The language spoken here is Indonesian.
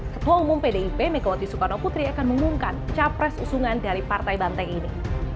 ketua umum pdip megawati soekarno putri akan mengumumkan capres usungan dari partai banteng ini